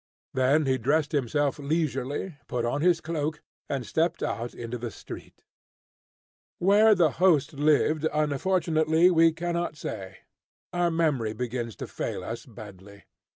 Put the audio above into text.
Then he dressed himself leisurely, put on his cloak, and stepped out into the street. Where the host lived, unfortunately we cannot say. Our memory begins to fail us badly.